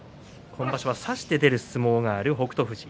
今場所は差して出る相撲が出ている北勝富士翠